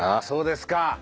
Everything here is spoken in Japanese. そうですか。